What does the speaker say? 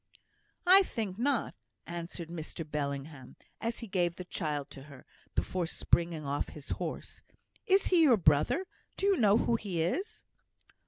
"I think not," answered Mr Bellingham, as he gave the child to her, before springing off his horse. "Is he your brother? Do you know who he is?"